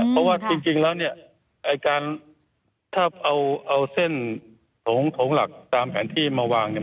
เพราะว่าจริงแล้วเนี่ยไอ้การถ้าเอาเส้นของหลักตามแผนที่มาวางเนี่ย